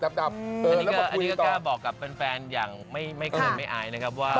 อันนี้ก็จะบอกกับเป็นแฟนอย่างไม่เคยไม่อายนะครับว่า